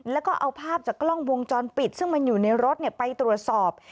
แล้วก็เอาภาพจากกล้องวงจรปิดซึ่งมันอยู่ในรถไปตรวจสอบ